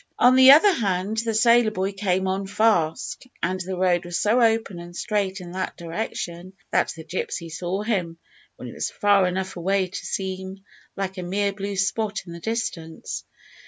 On the other hand, the sailor boy came on fast, and the road was so open and straight in that direction that the gypsy saw him when he was far enough away to seem like a mere blue spot in the distance.